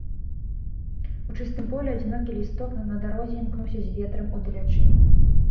У чыстым полі адзінокі лісток на дарозе імкнуўся з ветрам удалячынь.